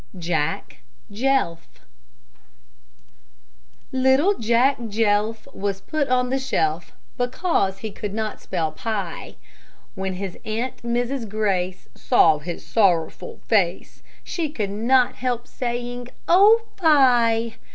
JACK JELF Little Jack Jelf Was put on the shelf Because he could not spell "pie"; When his aunt, Mrs. Grace, Saw his sorrowful face, She could not help saying, "Oh, fie!"